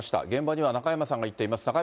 現場には中山さんが行っています。